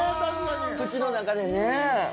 口の中でね。